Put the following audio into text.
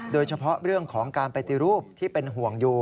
โดยเฉพาะเรื่องของการปฏิรูปที่เป็นห่วงอยู่